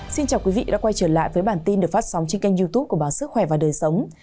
xin chào quý vị đã quay trở lại với bản tin được phát sóng trên kênh youtube của báo sức khỏe và đời sống